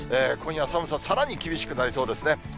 今夜、寒ささらに厳しくなりそうですね。